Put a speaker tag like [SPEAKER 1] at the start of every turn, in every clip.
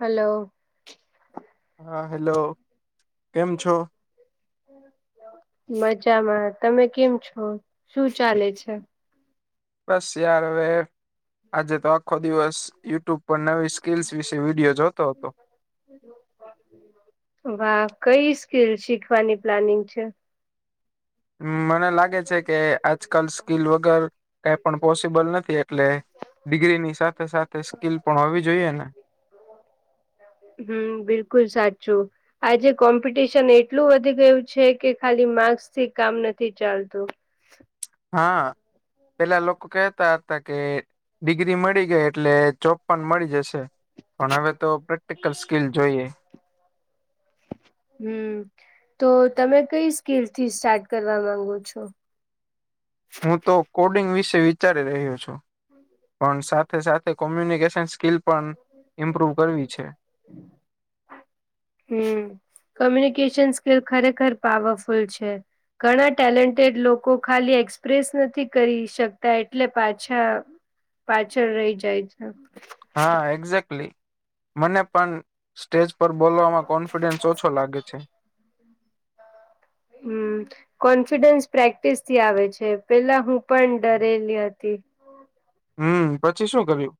[SPEAKER 1] Hello.
[SPEAKER 2] હા hello કેમ છો?
[SPEAKER 1] મજામાં, તમે કેમ છો? શું ચાલે છે?
[SPEAKER 2] બસ યાર હવે આજે તો આખો દિવસ યુટ્યુબ પર નવી સ્કીલ્સ વિશે વિડીયો જોતો હતો.
[SPEAKER 1] વાહ! કઈ સ્કીલ શીખવાની પ્લાનિંગ છે?
[SPEAKER 2] હમ્મ મને લાગે છે કે આજકાલ સ્કીલ વગર કઈ પણ પોસિબલ નથી એટલે ડિગ્રીની સાથે સાથે સ્કીલ પણ હોવી જોઈએ ને.
[SPEAKER 1] હમ્મ બિલકુલ સાચું. આજે કોમ્પિટિશન એટલું વધી ગયું છે કે ખાલી માર્ક્સ થી કામ નથી ચાલતું.
[SPEAKER 2] હા પેલા લોકો કેહેતા હતા કે ડિગ્રી મળી ગઈ એટલે ચોપન મળી જશે. પણ હવે તો પ્રેક્ટિકલ સ્કીલ જોઈએ.
[SPEAKER 1] હમ્મ તો તમે કઈ સ્કેલ થી સ્ટાર્ટ કરવા માંગો છો.
[SPEAKER 2] હું તો કોડિંગ વિશે વિચારી રહ્યો છું.
[SPEAKER 1] હમ.
[SPEAKER 2] પણ સાથે સાથે કોમ્યુનિકેશન સ્કીલ પણ ઇમ્પ્રુવ કરવી છે.
[SPEAKER 1] હમ્મ કોમ્યુનિકેશન સ્કીલ ખરેખર પાવરફુલ છે. ઘણા ટેલેન્ટેડ લોકો ખાલી એક્સપ્રેસ નથી કરી શકતા એટલે પાછા પાછળ રહી જાય છે.
[SPEAKER 2] હા એક્ઝેક્ટલી મને પણ સ્ટેજ પર બોલવામાં કોન્ફિડન્સ ઓછો લાગે છે.
[SPEAKER 1] હમ્મ. કોન્ફિડન્સ પ્રેક્ટિસ થી આવે છે પેલા હું પણ ડરેલી હતી.
[SPEAKER 2] હમ્મ પછી શું કર્યું.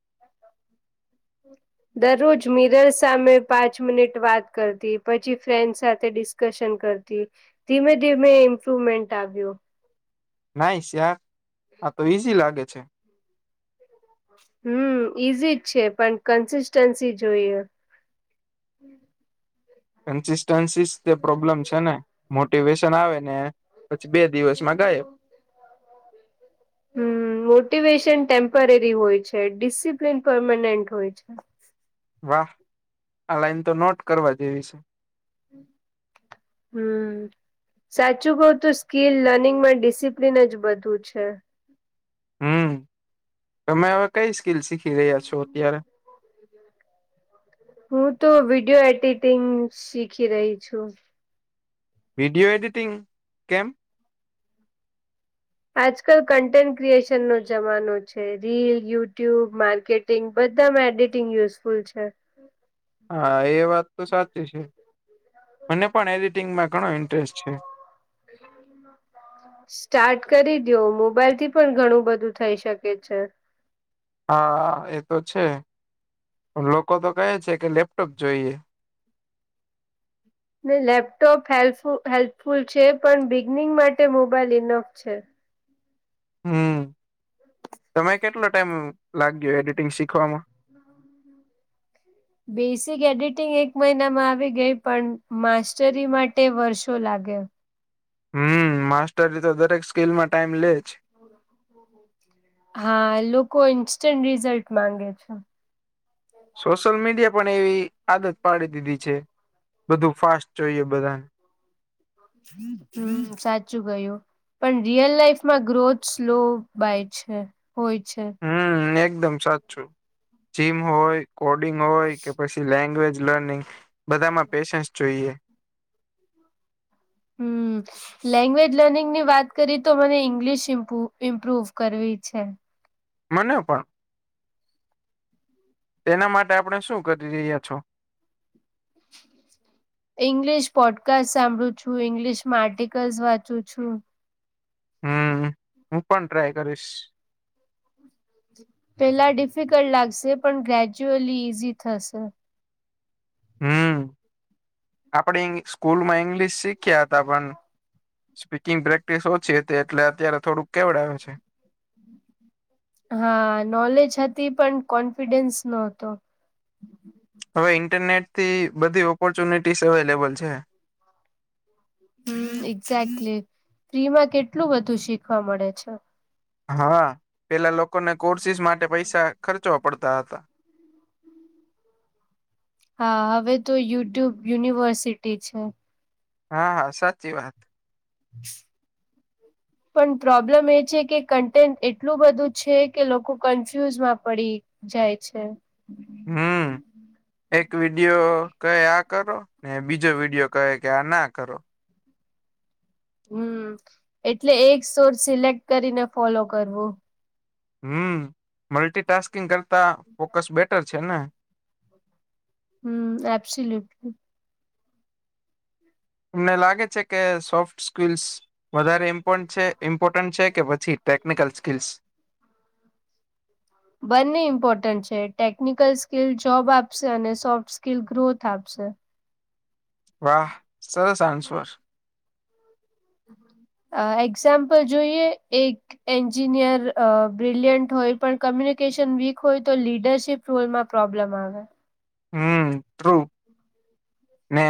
[SPEAKER 1] દરરોજ મિરર સામે પાંચ મિનિટ વાત કરતી પછી ફ્રેન્ડ સાથે ડિસ ડિસકશન કરતી ધીમે ધીમે ઇમ્પ્રુવમેન્ટ આવ્યો.
[SPEAKER 2] નાઈ શ્યા આા તો ઈઝી લાગે છે.
[SPEAKER 1] હમ્મ ઈઝી જ છે પણ કન્સિસ્ટન્સી જોઈએ.
[SPEAKER 2] કન્સિસ્ટન્સી તે પ્રોબ્લેમ છે ને મોટિવેશન આવે ને પછી બે. દિવસમાં ગાયબ.
[SPEAKER 1] હમ્મ મોટિવેશન ટેમ્પરરી હોય છે ડિસિપ્લિન પરમાનેન્ટ હોય છે.
[SPEAKER 2] વાહ આ લાઈન તો નોટ કરવા જેવી છે.
[SPEAKER 1] હમ્મ. સાચું કઉ તો સ્કીલ લર્નિંગમાં ડિસિપ્લન જ બધું છે.
[SPEAKER 2] હમ્મ તમે હવે કઈ સ્કીલ શીખી રહ્યા છો અત્યારે
[SPEAKER 1] હું તો વિડીયો એડિટિંગ શીખી રહી છું
[SPEAKER 2] વિડીયો એડિટીંગ કેમ્પ
[SPEAKER 1] આજકાલ કન્ટેન્ટ ક્રિએશન નો જમાનો છે રીલ યુટ્યુબ માર્કેટ બધામાં એડિટિંગ યુઝફુલ છે.
[SPEAKER 2] હા એ વાત તો સાચી છે મને પણ એડિટિંગમાં ઘણો ઇન્ટરેસ્ટ છે.
[SPEAKER 1] એ સ્ટાર્ટ કરી દ્યો મોબાઈલ થી પણ ઘણું બધું થઈ શકે છે
[SPEAKER 2] હા એ તો છે લોકો તો કહે છે કે લેપટોપ જોઈએ.
[SPEAKER 1] હા લેપટોપ હેલ્પ હેલ્પફુલ છે પણ બિગનિંગ માટે મોબાઈલ ઇનફ છે
[SPEAKER 2] હમ્મ તમે કેટલો ટાઈમ લાગ્યો એડિટિંગ શીખવામાં
[SPEAKER 1] બેસિક એડિટિંગ એક મહિનામાં આવી ગઈ પણ માસ્ટરી માટે વર્ષો લાગ્યો.
[SPEAKER 2] હમ્મ માસ્ટરી તો દરેક સ્કીલમાં ટાઈમ લેજ
[SPEAKER 1] હા લોકો ઇન્સ્ટન્ટ રિઝલ્ટ માંગે છે.
[SPEAKER 2] સોશિયલ મીડિયા પણ એવી આદત પાડી દીધી છે બધું ફાસ્ટ જોઈએ બધાને
[SPEAKER 1] હમ્મ સાચું ગયું પણ રિયલ લાાઈફમાં ગ્રોથ સ્લો બાય છે હોય છે.
[SPEAKER 2] હમ્મ એકદમ સાચું જીમ હોય કોડિંગ હોય કે પછી લેંગ્વેજ લર્નિંગ બધામાં પેશન્સ જોઈએ.
[SPEAKER 1] હમ્મ લેંગ્વેજ લર્નિંગ ની વાત કરી તો મને ઈંગ્લિશ ઇમ્પ ઇમ્પ્રુવ કરવી છે.
[SPEAKER 2] મને પણ એના માટે આપણે શું કરી રહ્યા છો. [inaudible]
[SPEAKER 1] ઈંગ્લિશ પોડકાસ્ટ સાંભળું છુ, ઇંગ્લિશમા આર્ટિકલ્સ વાંચુ છુ.
[SPEAKER 2] હમ હું પણ ટ્રાય કરીશ
[SPEAKER 1] પેલા ડિફિકલ્ટ લાગશે પણ ગ્રેજ્યુઅલી ઈઝી થશે.
[SPEAKER 2] હમ આપે સ્કૂલમાં ઈંગ્લિશ શીખ્યા હતા, પણ સ્પીકિંગ પ્રેક્ટિસ ઓછી તે એટલે અત્યારે થોડુંક કેવડ આવે છે.
[SPEAKER 1] હા નોલેજ હતી પણ કોન્ફિડન્સ ન હતો.
[SPEAKER 2] હવે ઇન્ટરનેટ થી બધી ઓપોર્ચ્યુનિટીસ અવેલેબલ છે.
[SPEAKER 1] હમ એક્ઝેક્ટલી ફ્રી માં કેટલું બધું શીખવા મળે છે.
[SPEAKER 2] હા પેલા લોકોને કોર્સીિસ માટે પૈસા ખર્ચવા પડતા હતા.
[SPEAKER 1] હા હવે તો યુટ્યુબ યુનિવર્સિટી છે.
[SPEAKER 2] હા હા સાચી વાત
[SPEAKER 1] [inaudible]
[SPEAKER 2] [inaudible]
[SPEAKER 1] પણ પ્રોબ્લેમ એ છે કે કન્ટેન્ટ એટલું બધું છે, કે લોકો કન્ફ્યુઝમાં પડી જાય છે.
[SPEAKER 2] હમ્મ એક વિડિયો કહે આ કરો ને બીજો વિડિયો કહે કે આ ના કરો
[SPEAKER 1] હમ એટલે એક સોર સિલેક્ટ કરીને ફોલો કરવુ
[SPEAKER 2] હમ મલ્ટીટાસ્કિંગ કરતા ફોકસ બેટર છેને.
[SPEAKER 1] હમ એપસી લિટ
[SPEAKER 2] અમને લાગે છે, કે સોફ્ટ સ્કલ્સ વધારે મ્પ ઇમ્પોર્ટન્ટ છે, કે પછી ટેકનિકલ સ્કીલ્સ
[SPEAKER 1] બંને ઇમ્પોર્ટન્ટ છે, ટેકનિકલ સ્કીિલ જોબ આપશે અને સોફ્ટવે સ્કીિલ ગ્રોથ આપશે
[SPEAKER 2] વાહ સર સર સાન્સવ
[SPEAKER 1] હમ્મ અ એક્ઝામ્પલ જોઈએ, એક એન્જિનિયર બ્રિલિયન્ટ હોય, પણ કોમ્યુનિકેશન વીક હોય તો લીડરશીપ. ટોલ માં પ્રોબ્લેમ આવે
[SPEAKER 2] હમ્મ ને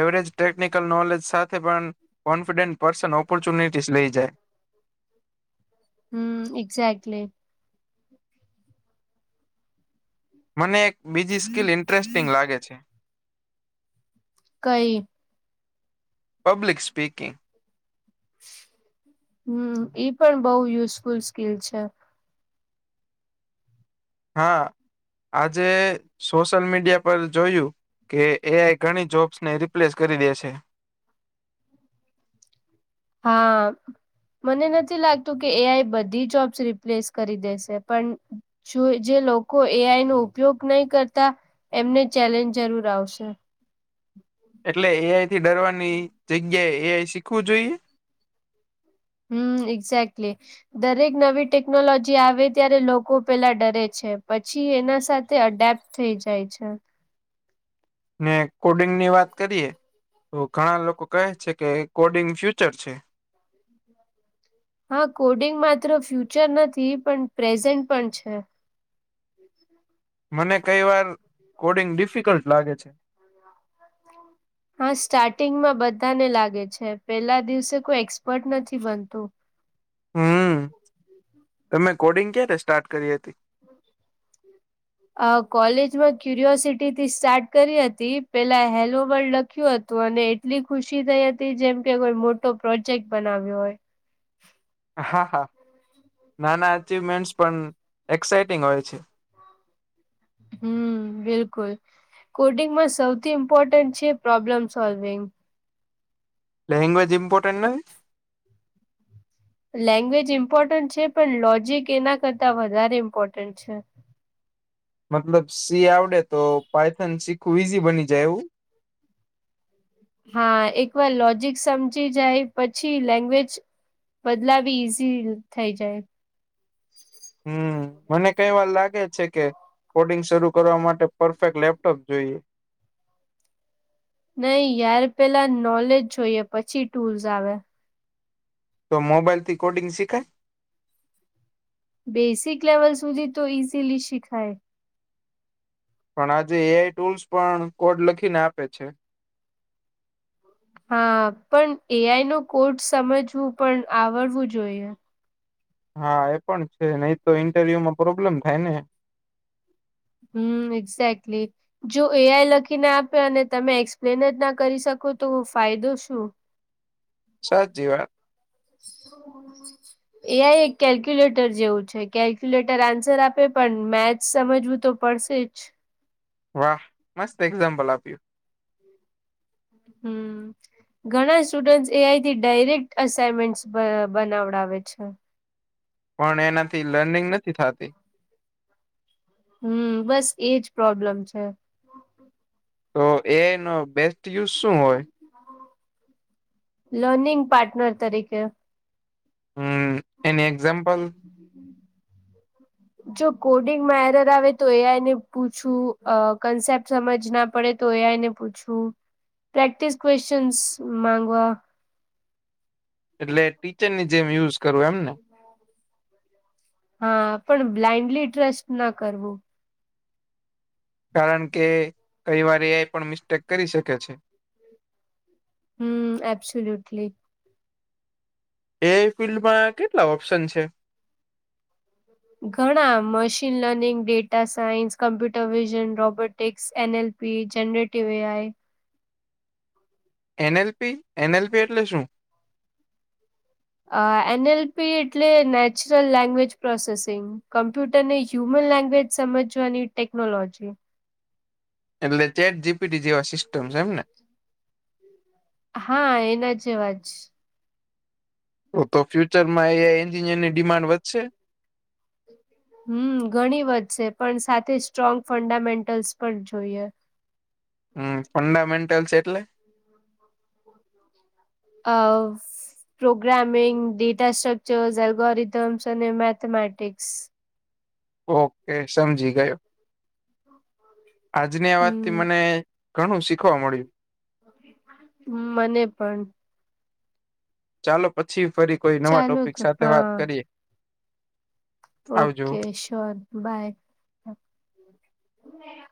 [SPEAKER 2] એવરેજ ટેકનિકલ નોલેજ સાથે પણ કોન્ફિડન્ટ પર્સન ઓપોર્ચ્યુનિટીસ લઇ જાય.
[SPEAKER 1] હમ એક્ઝાક્ટલી
[SPEAKER 2] મને એક બીજી સ્કીિલ ઇન્ટરેસ્ટિંગ લાગે છે.
[SPEAKER 1] કઈ
[SPEAKER 2] પબ્લિક સ્પીકિંગ
[SPEAKER 1] હમ ઈ પણ બહુ યુઝફુલ સ્કીિલ છે.
[SPEAKER 2] હા આજે સોશિયલ મીડિયા પર જોયુ. કે એ આઈ ઘણી જોબ્સ ને રિપ્લેસ કરી દે છે.
[SPEAKER 1] હા મને નથી લાગતું કે એ આઈ બધી જોબ્સ રિપ્લેસ કરી દેશે પણ જો જે લોકો એઆઈ નો ઉપયોગ નહી, કરતા એમને ચેલેન્જ જરૂર આવશે
[SPEAKER 2] એટલે એઆઈ થી ડરવાની જગ્યાએ એઆઈ શીખવું જોઈએ.
[SPEAKER 1] હમ એક્ઝક્ટલી દરેક નવી ટેકનોલોજી આવે ત્યારે લોકો પેલા ડરે છે, પછી એના સાથે અડપ્ટ થઈ જાય છે.
[SPEAKER 2] ને કોડિંગ ની વાત કરીએ તો ઘણા લોકો કહે છે કે કોડિંગ ફ્યુચર છે.
[SPEAKER 1] [inaudible] હા કોડિંગ માત્ર ફ્યુચર નથી પણ પ્રેઝન્ટ પણ છે. [unintelligible]
[SPEAKER 2] મને કઈ વાર કોડિંગ ડિફિકલ્ટ લાગે છે. [inaudible]
[SPEAKER 1] હા સ્ટાર્ટિંગમાં બધાને લાગે છે પેલા દિવસે કોઈ એક્સપર્ટ નથી બનતું.
[SPEAKER 2] હમ તમે કોડિંગ ક્યારે સ્ટાર્ટ કરી હતી. [inaudible]
[SPEAKER 1] અ કોલેજમાં ક્યુરિયોસિટી થી સ્ટાર્ટ કરી હતી પેલા હેલોવર્ લખ્યું હતું અને. એટલી ખુશી થઈ હતી જેમ કે કોઈ મોટો પ્રોજેક્ટ બનાવ્યો હોય.
[SPEAKER 2] હા હા નાના અચીવમેન્ટ પણ એક્સાઈટિંગ હોય છે.
[SPEAKER 1] હમ બિલકુલ. કોડિંગમાં સૌથી ઇમ્પોર્ટન્ટ છે પ્રોબ્લેમ સોલ્વિંગ.
[SPEAKER 2] લેગ્વવેજ ઈમપોટેન્ટ નહી.
[SPEAKER 1] લેંગ્વેજ ઇમ્પોર્ટન્ટ છે પણ લોજીક એના કરતા વધારે ઇમ્પોર્ટન્ટ છે.
[SPEAKER 2] મતલબ સી આવડે તો પાયથન શીખવુ ઈઝી બની જાય એવું.
[SPEAKER 1] હા એકવાર લોજિક સમજી જાય પછી લેંગ્વેજ. બદલાવી ઈઝી થઈ જાય.
[SPEAKER 2] હમ મને કઈ વાર લાગે છે કે. કોડિંગ શરૂ કરવા માટે પરફેક્ટ લેપટોપ જોઈએ.
[SPEAKER 1] નઈ યાર પેલા નોલેજ જોઈએ પછી ટૂલ્સ આવે.
[SPEAKER 2] તો મોબાઈલ થી કોડિંગ શીખાય.
[SPEAKER 1] બેસિક લેવલ સુધી તો ઈઝીલી શીખાય.
[SPEAKER 2] પણ આજે એ આઈ ટૂલ્સ પણ કોડ લખીને આપે છે.
[SPEAKER 1] હા પણ એઆઈ નો કોડ સમજવું પણ આવડવું જોઈએ.
[SPEAKER 2] હા એ પણ છે નહી તો ઈન્ટરવ્યુ માં પ્રોબ્લેમ થાય ને.
[SPEAKER 1] હમ એક્ઝેક્ટલી. જો એઆઈ લખીને આપે અને તમે એક્સપ્લેન જ ના કરી શકો તો ફાયદો શું.
[SPEAKER 2] સાચી વાત.
[SPEAKER 1] [inaudible]
[SPEAKER 2] [inaudible]
[SPEAKER 1] એ આઈ એક કેલ્ક્યુલેટર જેવું છે કેલ્ક્યુલેટર આન્સર આપે પણ મેથ સમજવું તો. પડશે જ.
[SPEAKER 2] વાહ મસ્ત એક્ઝામ્પલ આપ્યું.
[SPEAKER 1] હમ. ઘણા સ્ટુડન્ટ એઆઈથી ડાયરેક્ટ અસાઈનમેન્ટ બનાવડાવે છે.
[SPEAKER 2] પણ એનાથી લર્નિંગ નથી થાતી.
[SPEAKER 1] હમ બસ એજ પ્રોબ્લેમ છે.
[SPEAKER 2] તો એઆઈનો બેસ્ટ યુઝ શું હોય.
[SPEAKER 1] લર્નિંગ પાર્ટનર તરીકે.
[SPEAKER 2] હમ એની એક્ઝામ્પલ.
[SPEAKER 1] જો કોડિંગમાં એરર આવે તો એ આઈ ને પૂછું કન્સેપ્ટ. સમજ ના પડે તો એ આઈ પૂછવું પ્રેક્ટિસ ક્વેશચન્સ માંગવા.
[SPEAKER 2] એટલે ટીચરની જેમ યુઝ કરવું એમ ને.
[SPEAKER 1] હા પણ બ્લાઈન્ડલી ટ્રસ્ટ ના કરવું.
[SPEAKER 2] કારણ કે કઈ વાર એ આઈ પણ મિસ્ટેક કરી શકે છે.
[SPEAKER 1] હમ એબ્સોલ્યુટલી.
[SPEAKER 2] એ આઈ ફિલ્ડમાં કેટલા ઓપ્શન છે.
[SPEAKER 1] ઘણા machine learning, data science, computer vision robotics એ પ generative A I
[SPEAKER 2] N LP NLP એટલે શુ
[SPEAKER 1] અ એનએલપી એટલે નેચરલ લેંગ્વેજ પ્રોસેસિંગ કમ્પ્યુટર ને હ્યુમન લેંગ્વેજ સમજવાની ટેકનોલોજી
[SPEAKER 2] એટલે ચેટ જીપીટી જેવા સિસ્ટમ છે, એમ ને
[SPEAKER 1] હા એના જેવાજ
[SPEAKER 2] તો તો ફ્યુચર માં એ આઈ એન્જિનની ડિમાન્ડ વધશે
[SPEAKER 1] હમ ઘણી વધ છે, પણ સાથે સ્ટ્રોંગ ફંડામેન્ટલ્સ પણ જોઈએ.
[SPEAKER 2] હમ ફંડામેન્ટલ્સ એટલે [inaudible]
[SPEAKER 1] અ પ્રોગ્રામિંગ, ડેટા સ્ટ્રક્ચરસ, એલ્ગોરથમ્સ અને મેથમેટિક્સ
[SPEAKER 2] ઓકે સમજી ગયો આજની આ વાતથી મને
[SPEAKER 1] હમ
[SPEAKER 2] ઘણું શીખવા મળ્યુ
[SPEAKER 1] મને પણ
[SPEAKER 2] ચાલો પછી ફરી કોઈ નવા
[SPEAKER 1] ચાલો
[SPEAKER 2] ટોપિક
[SPEAKER 1] તો
[SPEAKER 2] સાથે વાત
[SPEAKER 1] હા
[SPEAKER 2] કરીએ. આવજો
[SPEAKER 1] ઓકે શ્યોર બાય [inaudible]